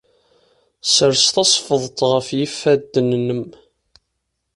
Ssers tasfeḍt ɣef yifadden-nnem.